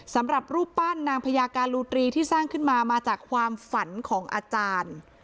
สำหรับรูปปั้นนางพญาการูตรีที่สร้างขึ้นมามาจากความฝันของอาจารย์